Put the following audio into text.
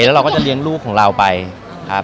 แล้วเราก็จะเลี้ยงลูกของเราไปครับ